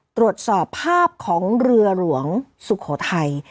ตรวจสอบภาพของเรือหลวงสุโขทัย